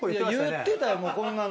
言ってたよ、こんなの。